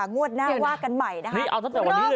งวดหน้าวากันใหม่นะครับ